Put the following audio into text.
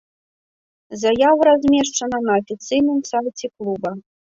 Заява размешчана на афіцыйным сайце клуба.